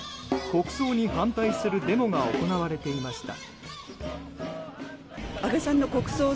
国葬に反対するデモが行われていました。